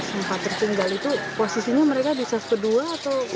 sempat tertinggal itu posisinya mereka bisa seperti apa